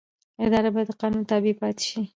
اداره باید د قانون تابع پاتې شي.